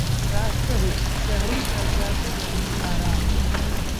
राष्ट्र हितः शहरी चर्चा से बदली धारा